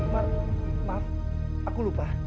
mak maaf aku lupa